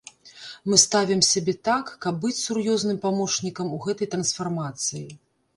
Мы ставім сябе так, каб быць сур'ёзным памочнікам у гэтай трансфармацыі.